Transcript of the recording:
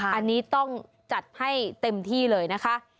อันนี้ต้องจัดให้เต็มที่เลยนะคะ